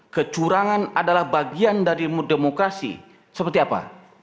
kecurangan adalah bagian dari demokrasi seperti apa